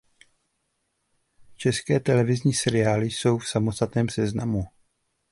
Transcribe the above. České televizní seriály jsou v samostatném seznamu.